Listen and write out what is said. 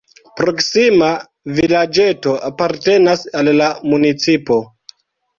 Proksima vilaĝeto apartenas al la municipo.